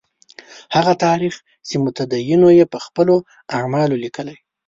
هغه تاریخ چې متدینو یې په خپلو اعمالو لیکلی.